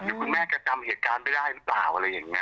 คุณแม่ก็จำเหตุการณ์ไม่ได้หรือเปล่าอะไรอย่างนี้